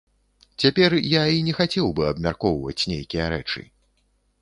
Цяпер я і не хацеў бы абмяркоўваць нейкія рэчы.